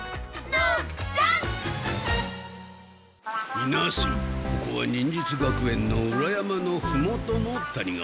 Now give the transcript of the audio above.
みなさんここは忍術学園の裏山のふもとの谷川。